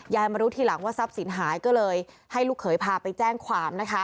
มารู้ทีหลังว่าทรัพย์สินหายก็เลยให้ลูกเขยพาไปแจ้งความนะคะ